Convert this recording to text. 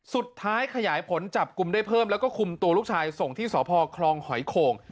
ขยายผลจับกลุ่มได้เพิ่มแล้วก็คุมตัวลูกชายส่งที่สพคลองหอยโข่ง